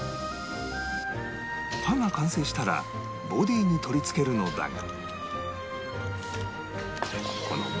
刃が完成したらボディーに取り付けるのだが